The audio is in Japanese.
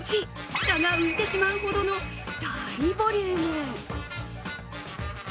フタが浮いてしまうほどの大ボリューム。